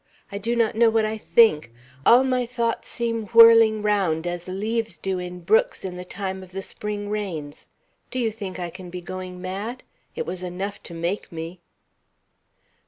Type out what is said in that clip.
I do not know what I think; all my thoughts seem whirling round as leaves do in brooks in the time of the spring rains. Do you think I can be going mad? It was enough to make me!"